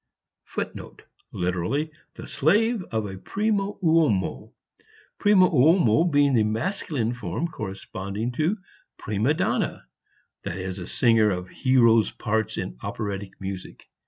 [Footnote: Literally, "The slave of a primo uomo," primo uomo being the masculine form corresponding to prima donna, that is, a singer of hero's parts in operatic music.